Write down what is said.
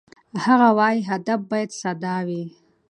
هغه وايي، هدف باید ساده وي.